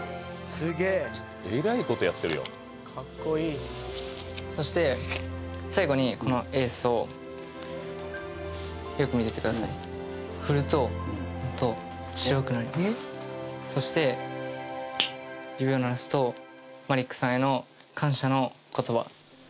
すげええらいことやってるよかっこいいそして最後にこのエースをよく見ててください振ると白くなりますそして指を鳴らすとうわ！